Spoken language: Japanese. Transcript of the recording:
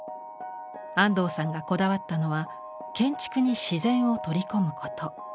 安藤さんがこだわったのは建築に自然を取り込むこと。